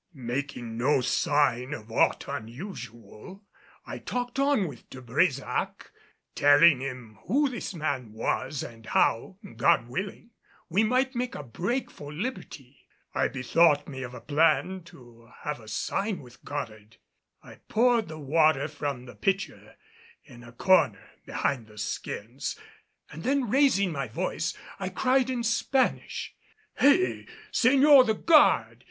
Making no sign of aught unusual I talked on with De Brésac, telling him who this man was and how, God willing, we might make a break for liberty. I bethought me of a plan to have a sign with Goddard. I poured the water from the pitcher in a corner behind the skins and then raising my voice I cried in Spanish, "Hey, señor the guard!